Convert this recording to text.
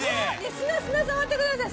砂砂触ってください。